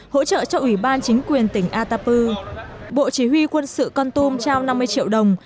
hỗ trợ cho ủy ban chính quyền tỉnh atapu bộ chỉ huy quân sự con tum trao năm mươi triệu đồng